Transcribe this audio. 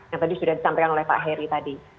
yang tadi sudah disampaikan oleh pak heri tadi